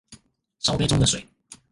燒杯中的水